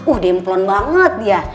udah emplon banget dia